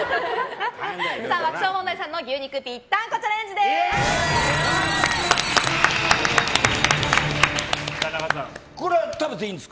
爆笑問題さんの牛肉ぴったんこチャレンジです。